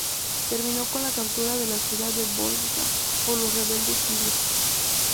Terminó con la captura de la ciudad de Bosra por los rebeldes sirios.